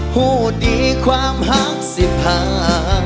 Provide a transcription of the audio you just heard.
หูดดีความหักสิบห้าง